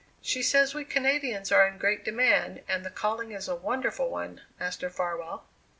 She says we Canadians are in great demand, and the calling is a wonderful one, Master Farwell."